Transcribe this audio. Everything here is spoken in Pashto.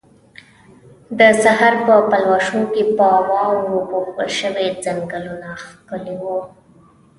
د سحر په پلوشو کې په واورو پوښل شوي ځنګلونه ښکلي وو.